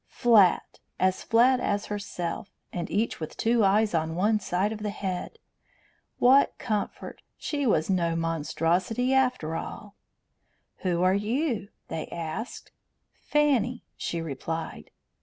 Flat! As flat as herself! And each with two eyes on one side of the head. What comfort! She was no monstrosity, after all. "Who are you?" they asked. "Fanny," she replied.